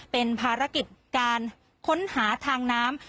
เป็นภารกิจการค้นหาทางน้ำ